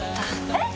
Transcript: えっ！！